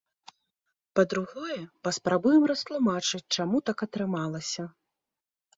Па-другое, паспрабуем растлумачыць чаму так атрымалася.